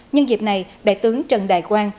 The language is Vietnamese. nhân dịp này đại tướng trần đại quang